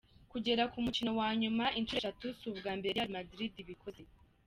Kugera ku mukino wa nyuma inshuro eshatu si ubwa mbere Real Madrid ibikoze.